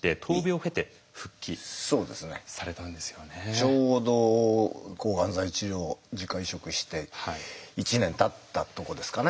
ちょうど抗がん剤治療自家移植して１年たったとこですかね。